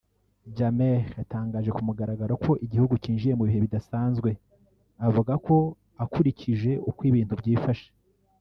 Jammeh yatangaje ku mugaragaro ko igihugu cyinjiye mu bihe bidasanzwe avuga ko akurikije uko ibintu byifashe